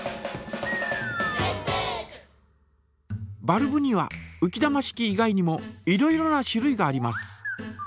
バルブにはうき玉式以外にもいろいろな種類があります。